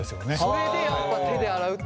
それでやっぱ手で洗うっていうのが。